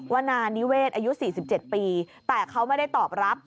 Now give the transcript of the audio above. นานิเวศอายุ๔๗ปีแต่เขาไม่ได้ตอบรับ